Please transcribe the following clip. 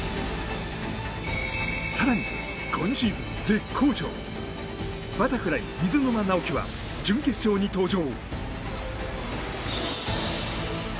更に、今シーズン絶好調バタフライ、水沼尚輝は準決勝に登場。